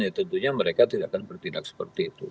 ya tentunya mereka tidak akan bertindak seperti itu